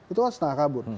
itu kan setengah kabur